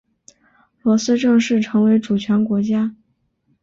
罗斯正式成为主权国家。